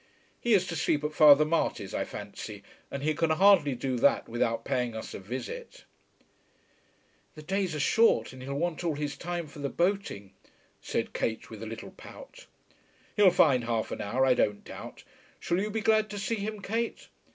"He is to sleep at Father Marty's I fancy, and he can hardly do that without paying us a visit." "The days are short and he'll want all his time for the boating," said Kate with a little pout. "He'll find half an hour, I don't doubt. Shall you be glad to see him, Kate?"